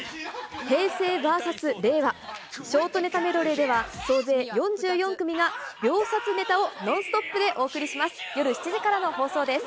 平成ＶＳ令和、ショートネタメドレーでは、総勢４４組が秒殺ネタをノンストップでお送りします。